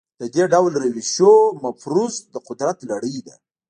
د دې ډول روشونو مفروض د قدرت لړۍ ده.